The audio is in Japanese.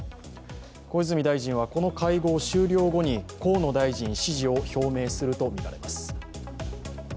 小泉大臣はこの会合終了後に河野大臣支持を表明するとみられます。